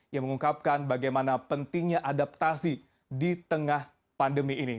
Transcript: yang mengungkapkan bagaimana pentingnya adaptasi di tengah pandemi ini